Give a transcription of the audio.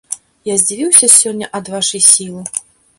Я здзівіўся сёння ад вашай сілы.